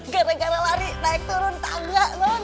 gara gara lari naik turun tangga